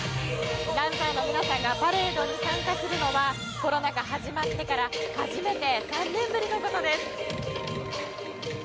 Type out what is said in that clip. ダンサーの皆さんがパレードに参加するのはコロナ禍始まってから初めて３年ぶりのことです。